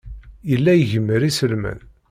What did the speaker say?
Yella igemmer iselman.